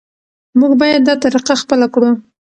موږ باید دا طریقه خپله کړو.